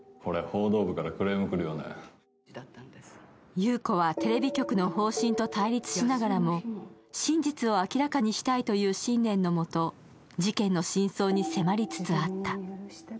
由宇子はテレビ局の方針と対立しながらも、真実を明らかにしたいという信念の下、事件の真相に迫りつつあった。